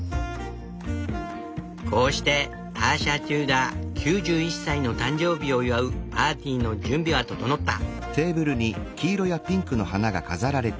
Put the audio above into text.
こうしてターシャ・テューダー９１歳の誕生日を祝うパーティーの準備は整った。